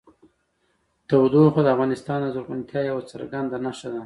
تودوخه د افغانستان د زرغونتیا یوه څرګنده نښه ده.